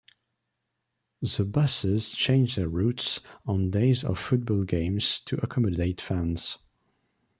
The buses change their routes on days of football games to accommodate fans.